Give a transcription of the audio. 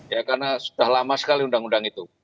ya karena sudah lama sekali undang undang itu